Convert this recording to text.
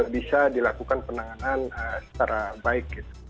bisa dilakukan penanganan secara baik gitu